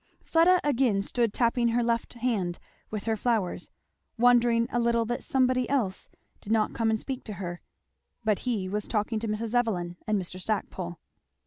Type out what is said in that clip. Fleda again stood tapping her left hand with her flowers, wondering a little that somebody else did not come and speak to her; but he was talking to Mrs. Evelyn and Mr. Stackpole.